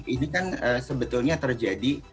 ini kan sebetulnya terjadi